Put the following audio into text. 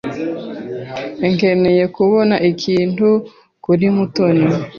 Nkeneye kubona ikintu kuri Mutoni.